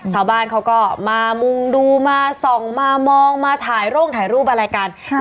ชาวบ้านเขาก็มามุงดูมาส่องมามองมาถ่ายร่งถ่ายรูปอะไรกัน